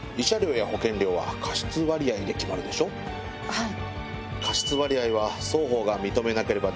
はい。